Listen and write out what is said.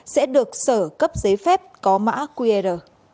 sẽ được sở cấp giấy phép có mã qr